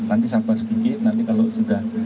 nanti sabar sedikit nanti kalau sudah